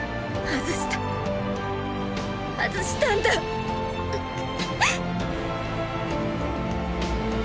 外したんだッ！